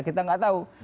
kita tidak tahu